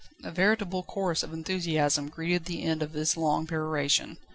A veritable chorus of enthusiasm greeted the end of his long peroration.